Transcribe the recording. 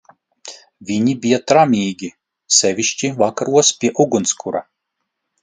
Viņi bija tramīgi, sevišķi vakaros pie ugunskura.